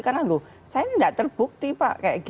karena loh saya ini nggak terbukti pak